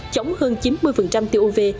chống hơn chín mươi tiêu uv